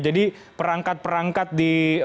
jadi perangkat perangkat di masjid